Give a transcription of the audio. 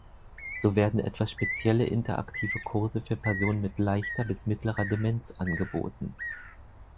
So werden etwa spezielle interaktive Kurse für Personen mit leichter bis mittlerer Demenz angeboten.